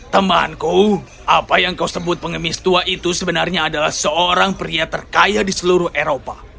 temanku apa yang kau sebut pengemis tua itu sebenarnya adalah seorang pria terkaya di seluruh eropa